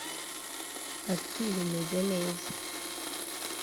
Ati “Bimeze neza